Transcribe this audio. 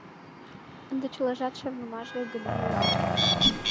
Ынде чылажат шарнымаш гай гына ила.